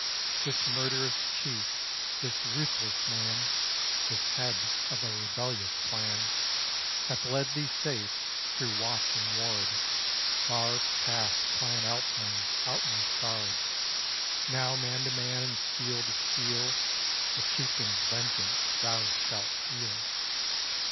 This murderous Chief, this ruthless man, This head of a rebellious clan, Hath led thee safe, through watch and ward, Far past Clan Alpine's outmost guard. Now, man to man, and steel to steel, A Chieftain's vengeance thou shalt feel.